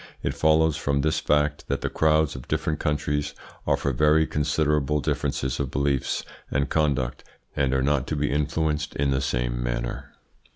It follows from this fact that the crowds of different countries offer very considerable differences of beliefs and conduct and are not to be influenced in the same manner.